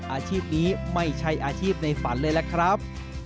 อาชีพนี้ไม่ใช่อาชีพในฝันเลยล่ะครับ